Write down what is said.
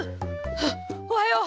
あっおはよう！